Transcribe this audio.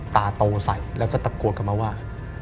ตาโตใส่แล้วก็ตะโกนกลับมาว่า